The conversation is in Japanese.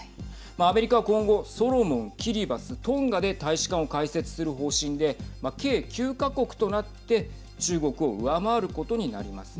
アメリカは今後ソロモン、キリバス、トンガで大使館を開設する方針で計９か国となって中国を上回ることになります。